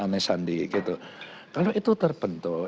nesandi gitu kalau itu terbentuk